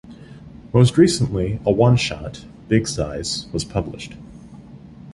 Most recently, a one-shot, "Big Size", was published.